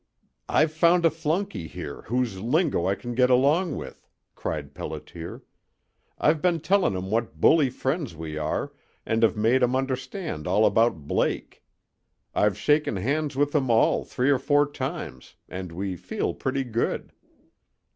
"I've found a flunkey here whose lingo I can get along with," cried Pelliter. "I've been telling 'em what bully friends we are, and have made 'em understand all about Blake. I've shaken hands with them all three or four times, and we feel pretty good.